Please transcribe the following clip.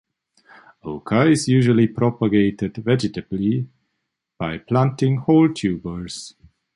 Oca is usually propagated vegetatively by planting whole tubers.